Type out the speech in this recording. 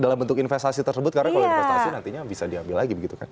dalam bentuk investasi tersebut karena kalau investasi nantinya bisa diambil lagi begitu kan